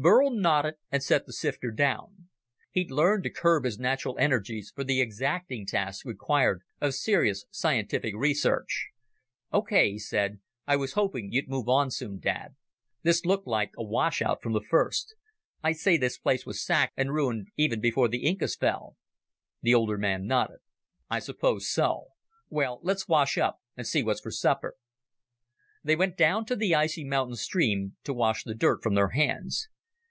Burl nodded, and set the sifter down. He'd learned to curb his natural energies for the exacting tasks required of serious scientific research. "Okay," he said, "I was hoping you'd move on soon, Dad. This looked like a washout from the first. I'd say this place was sacked and ruined even before the Incas fell." The older man nodded. "I suppose so. Well, let's wash up and see what's for supper." They went down to the icy mountain stream to wash the dirt from their hands.